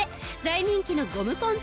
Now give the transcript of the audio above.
大人気のゴムポン